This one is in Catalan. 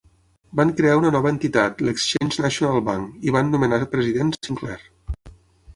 Van crear una nova entitat, l'Exchange National Bank, i van nomenar president Sinclair.